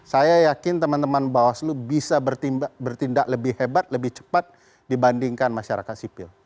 saya yakin teman teman bawaslu bisa bertindak lebih hebat lebih cepat dibandingkan masyarakat sipil